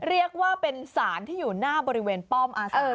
เรียกว่าเป็นสารที่อยู่หน้าบริเวณป้อมอาเซอร์